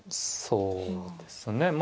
そうですね